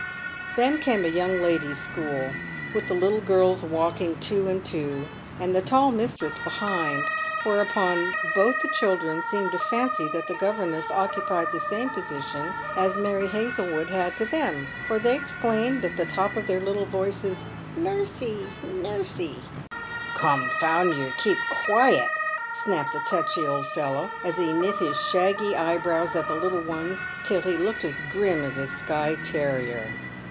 Then came a young ladies' school, with the little girls walking two and two, and the tall mistress behind, whereupon both the chil dren seemed to fancy that the governess occupied the same position as Mary Hazlewood had to them, for they exclaimed, at the top of their little voices, " Nursey ! nursey !"" Confound yer, keep quiet !" snapped the tetchy old fellow, as he knit his shaggy eyebrows at the little ones, till he looked as grim as a Skye terrier.